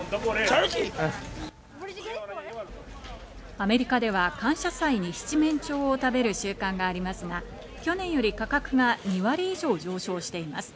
アメリカでは感謝祭に七面鳥を食べる習慣がありますが、去年より価格が２割以上、上昇しています。